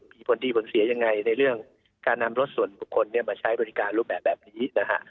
มีผลดีผลเสียยังไงในเรื่องการนำรถส่วนบุคคลมาใช้บริการรูปแบบนี้นะฮะ